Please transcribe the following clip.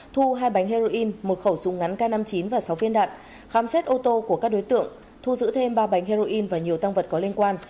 thu hai bánh heroin một khẩu súng ngắn k năm mươi chín và sáu viên đạn khám xét ô tô của các đối tượng thu giữ thêm ba bánh heroin và nhiều tăng vật có liên quan